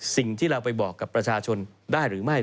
สิ่งที่เราไปบอกกับประชาชนได้หรือไม่